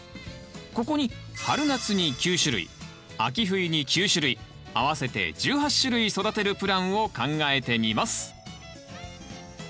ここに春夏に９種類秋冬に９種類合わせて１８種類育てるプランを考えてみます。